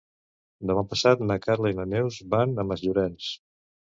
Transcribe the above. Demà passat na Carla i na Neus van a Masllorenç.